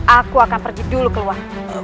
aku akan pergi dulu keluar